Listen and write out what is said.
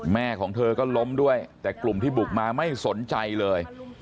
แม่ของเธอก็ล้มด้วยแต่กลุ่มที่บุกมาไม่สนใจเลย